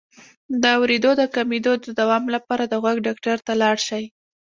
د اوریدو د کمیدو د دوام لپاره د غوږ ډاکټر ته لاړ شئ